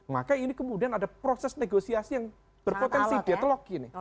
maka ini kemudian ada proses negosiasi yang berpotensi deadlock ini